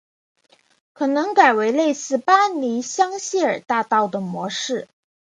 可能改为类似巴黎香榭大道的模式